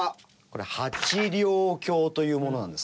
これ八稜鏡というものなんですか？